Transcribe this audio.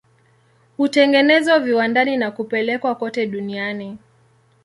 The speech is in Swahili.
Hutengenezwa viwandani na kupelekwa kote duniani.